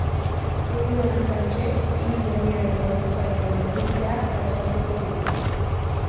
Une horretantxe hil berriaren gorputzaren berpiztea gauzatuko dute.